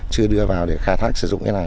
chưa đưa vào để khai thác sử dụng cái này